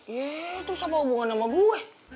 yeay terus apa hubungan sama gue